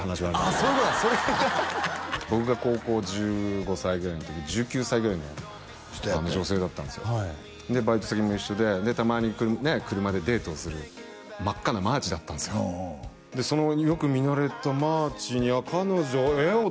そういうことだ僕が高校１５歳ぐらいの時に１９歳ぐらいの女性だったんですよバイト先も一緒ででたまに車でデートをする真っ赤なマーチだったんですよでそのよく見慣れたマーチにあっ彼女えっ？